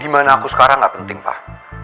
gimana aku sekarang gak penting pak